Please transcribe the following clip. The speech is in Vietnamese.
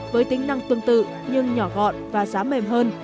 với tính năng tương tự nhưng nhỏ gọn và giá mềm hơn